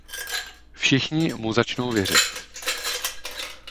Všichni mu začnou věřit.